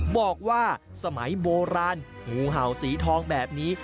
บอกว่าสมัยโบราณงูเห่าสีทองแบบนี้